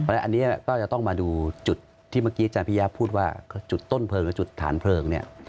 อันนี้ก็จะต้องมาดูจุดที่เจ้าพิยาพูดว่าจุดต้นเพลิงจุดฐานเพลิง